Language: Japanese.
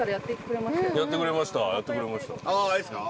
あぁいいっすか？